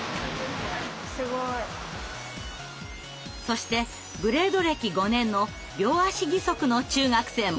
そしてブレード歴５年の両足義足の中学生も。